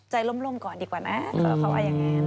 ล่มก่อนดีกว่านะเขาว่าอย่างนั้น